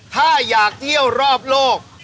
ถ้าอยากเที่ยวรอบโลก